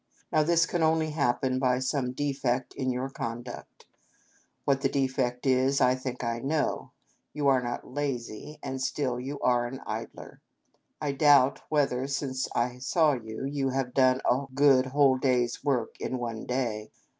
Now this can only happen by some defect in your con duct. What that defect is, I think I know. You are not lazy, and still you are an idler. I doubt whether, since I saw you, you have done a good whole day's work in any one day.